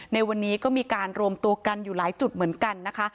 ในวันนี้ก็มีการรวมตัวกันอยู่หลายจุดเหมือนกันนะคะ